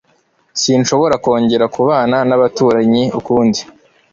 Sinshobora kongera kubana nabaturanyi ukundi